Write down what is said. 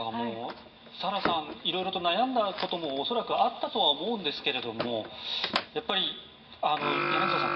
サラさんはいろいろと悩んだことも恐らくあったとは思うんですけれどもやっぱり、柳澤さん。